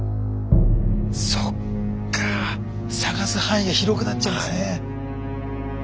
そっか捜す範囲が広くなっちゃうんですね。